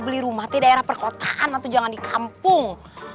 beli rumah di daerah perkotaan atau jangan di kampung